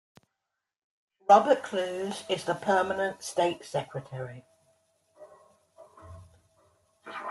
Robert Kloos is the Permanent State Secretary.